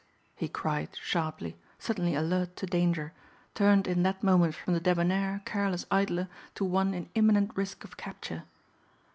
he cried sharply, suddenly alert to danger, turned in that moment from the debonair careless idler to one in imminent risk of capture.